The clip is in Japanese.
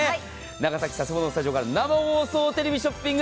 長崎・佐世保のスタジオから生放送テレビショッピング